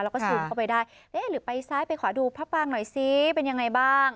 เราก็สูบเข้าไปได้หรือไปซ้ายไปขวาดูภาพบางหน่อยสิเป็นอย่างไรบ้าง